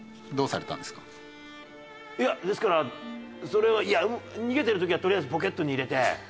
いやですからそれはいや逃げてる時はとりあえずポケットに入れて。